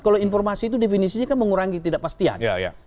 kalau informasi itu definisinya kan mengurangi ketidakpastian